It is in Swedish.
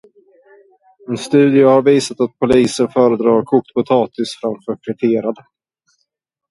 En studie har visat att poliser föredrar kokt potatis framför friterad.